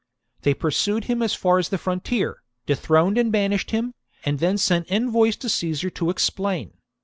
They pursued him as far as the frontier, dethroned and banished him, and then sent envoys to Caesar to explain.